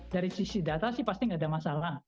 dari sisi data sih pasti nggak ada masalah